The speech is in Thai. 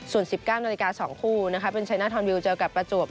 ส่วน๑๙นาฬิกา๒คู่เป็นชัยหน้าทอนวิวเจอกับประจวบ